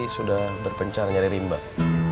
sudah berpencar nyari rimbak